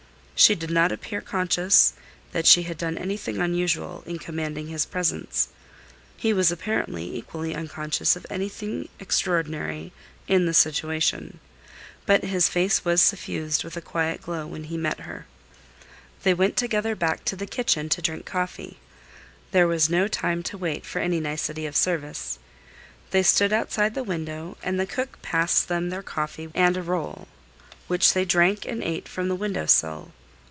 She did not appear conscious that she had done anything unusual in commanding his presence. He was apparently equally unconscious of anything extraordinary in the situation. But his face was suffused with a quiet glow when he met her. They went together back to the kitchen to drink coffee. There was no time to wait for any nicety of service. They stood outside the window and the cook passed them their coffee and a roll, which they drank and ate from the window sill.